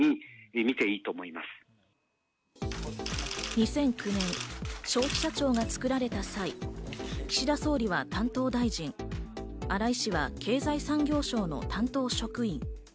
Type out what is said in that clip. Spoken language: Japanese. ２００９年、消費者庁が作られた際、岸田総理は担当大臣、荒井氏は経済産業省の担当職員。